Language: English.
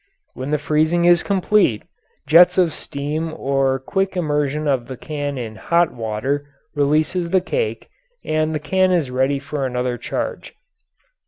When the freezing is complete, jets of steam or quick immersion of the can in hot water releases the cake and the can is ready for another charge.